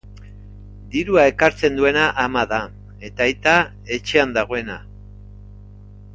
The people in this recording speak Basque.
Dirua ekartzen duena ama da eta aita, etxean dagoena.